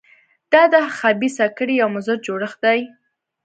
دا د خبیثه کړۍ یو مضر جوړښت دی.